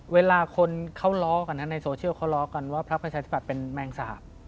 เวลาในโซเชียลเขาร้อกันว่าครับประชานิปัตย์เป็นแมงสาหบ